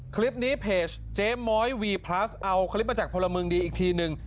คลิปนี้เพจเจ๊ม้อยวีพลัสเอาคลิปมาจากพลเมืองดีอีกทีนึง